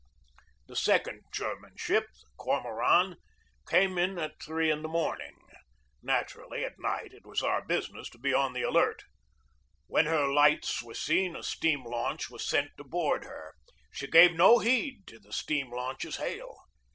The second German ship, the Cormoran, came in at three in the morning. Naturally, at night it was our business to be on the alert. When her lights were seen a steam launch was sent to board her. She gave no heed to the steam launch's hail.